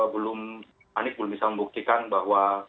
belum panik belum bisa membuktikan bahwa